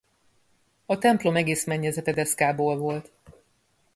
A templom egész mennyezete deszkából volt.